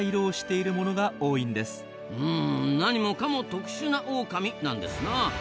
うん何もかも特殊なオオカミなんですなあ。